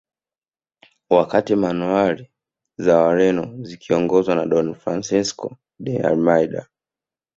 Wakati manowari za Wareno zikiongozwa na Don Francisco de Almeida